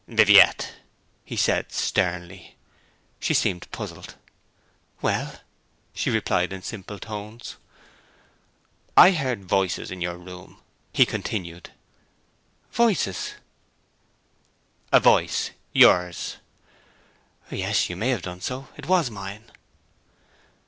'Viviette!' he said sternly. She seemed puzzled. 'Well?' she replied, in simple tones. 'I heard voices in your room,' he continued. 'Voices?' 'A voice, yours.' 'Yes, you may have done so. It was mine.'